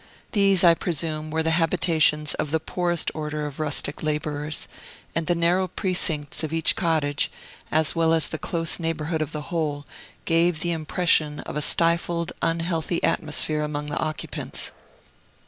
These, I presume, were the habitations of the poorest order of rustic laborers; and the narrow precincts of each cottage, as well as the close neighborhood of the whole, gave the impression of a stifled, unhealthy atmosphere among the occupants.